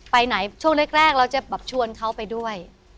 ไปไหนช่วงแรกเราจะแบบชวนเขาไปด้วย